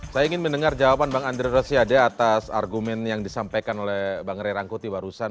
saya ingin mendengar jawaban bang andre rosiade atas argumen yang disampaikan oleh bang ray rangkuti barusan